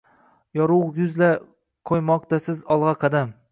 Yorug‘ yuz-la qo‘ymoqdasiz olg‘a qadam.